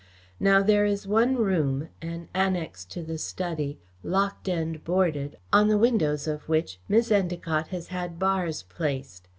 Now there is one room an annex to the study locked and boarded, on the windows of which Miss Endacott has had bars placed.